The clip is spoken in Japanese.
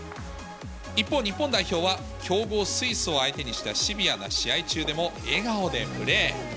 一方、日本代表は、強豪、スイスを相手にしたシビアな試合中でも笑顔でプレー。